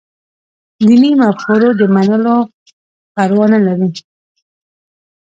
دیني مفکورو د منلو پروا لري.